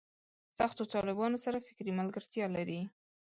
سختو طالبانو سره فکري ملګرتیا لري.